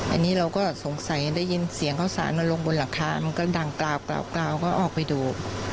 อันนี้เราก็สงสัยได้ยินเสียงข้าวสารมาลงบนหลังคามันก็ดังกล่าก็ออกไปดู